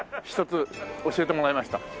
一つ教えてもらいました。